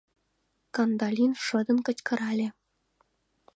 — Кандалин шыдын кычкырале.